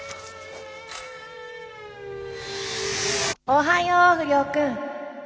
おはよう不良くん！